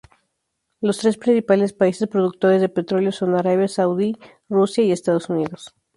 Los tres principales países productores de petróleo son Arabia Saudí, Rusia, y Estados Unidos.